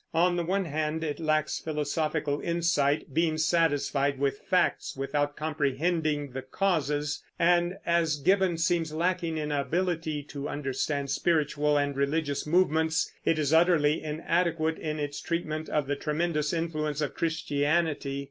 On the one hand it lacks philosophical insight, being satisfied with facts without comprehending the causes; and, as Gibbon seems lacking in ability to understand spiritual and religious movements, it is utterly inadequate in its treatment of the tremendous influence of Christianity.